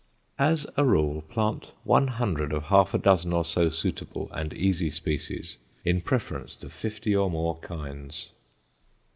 As a rule, plant one hundred of half a dozen or so suitable, and easy, species in preference to fifty or more kinds.